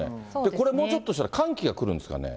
これ、もうちょっとしたら寒気が来るんですかね。